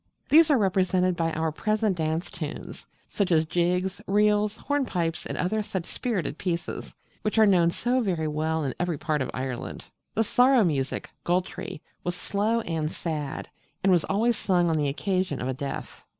These are represented by our present dance tunes, such as jigs, reels, hornpipes, and other such spirited pieces, which are known so well in every part of Ireland. The 'Sorrow music' (Goltree) was slow and sad, and was always sung on the occasion of a death.